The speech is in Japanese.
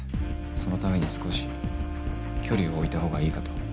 そのために少し距離を置いた方がいいかと。